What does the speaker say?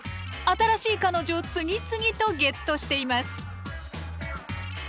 新しい彼女を次々とゲットしています。